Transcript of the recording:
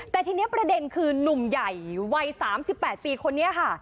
แต่ทีนี้ประเด็นคือนุ่มใหญ่วัย๓๘ปีคนนี้ค่ะ